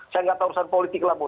saya nggak tahu urusan politik lah bu